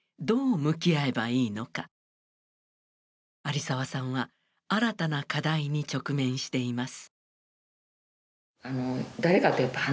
有澤さんは新たな課題に直面しています。